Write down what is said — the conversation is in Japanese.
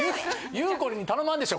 ゆうこりんに頼まんでしょ。